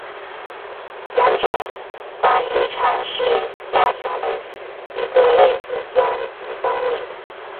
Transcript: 良种繁育场是下辖的一个类似乡级单位。